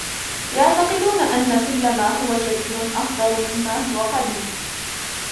يعتقدون أن كل ما هو جديد أفضل مما هو قديم.